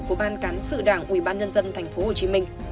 của ban cán sự đảng ủy ban nhân dân thành phố hồ chí minh